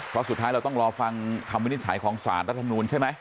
เพราะสุดท้ายเราต้องรอฟังคำวินิจฉัยของสารรัฐมนูลใช่ไหม